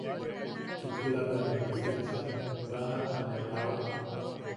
Chukula bea ne lisensiak, baajata ne aʼawak.